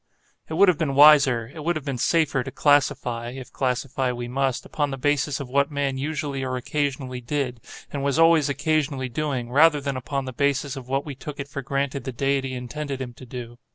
It would have been wiser, it would have been safer, to classify (if classify we must) upon the basis of what man usually or occasionally did, and was always occasionally doing, rather than upon the basis of what we took it for granted the Deity intended him to do.